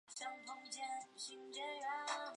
东京府东京市深川区出身。